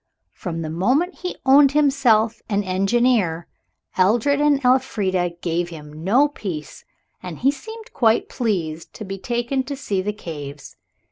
From the moment he owned himself an engineer Edred and Elfrida gave him no peace, and he seemed quite pleased to be taken to see the caves.